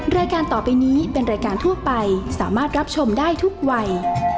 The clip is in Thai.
รายการต่อไปนี้เป็นรายการทั่วไปสามารถรับชมได้ทุกวัย